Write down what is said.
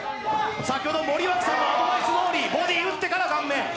先ほど、森脇さんのアドバイスどおり、ボディ打ってから顔面。